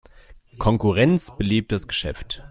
Konkurrenz belebt das Geschäft.